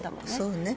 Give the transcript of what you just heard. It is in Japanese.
そうね。